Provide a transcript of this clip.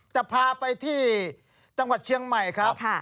จะพาไปที่จังหวัดเชียงใหม่ครับ